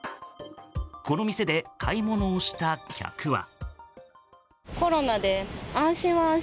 この店で買い物をした客は。